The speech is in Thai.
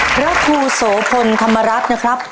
พระครูโสพลธรรมรัฐนะครับ